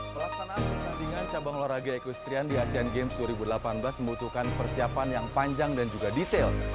pelaksanaan pertandingan cabang olahraga equestrian di asean games dua ribu delapan belas membutuhkan persiapan yang panjang dan juga detail